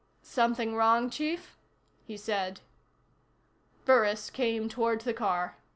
"Something wrong, Chief?" he said. Burris came toward the car.